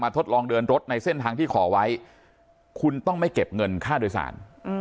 ทดลองเดินรถในเส้นทางที่ขอไว้คุณต้องไม่เก็บเงินค่าโดยสาร